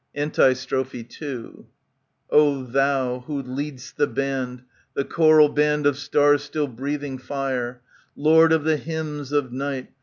^ Antistrophe II O Thou, who lead'st the band, The choral band of stars still breathing fire,' Lord of the hymns of night.